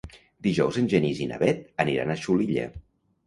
Dijous en Genís i na Bet aniran a Xulilla.